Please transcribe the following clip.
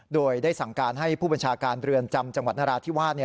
โดยได้สั่งการให้ผู้บัญชาการเรือนจำจังหวัดนราธิวาส